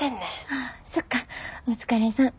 ああそっかお疲れさん。